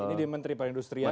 ini di menteri perindustrian